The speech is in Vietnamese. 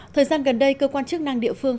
thời gian gần đây cơ quan chức năng địa phương